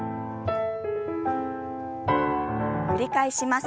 繰り返します。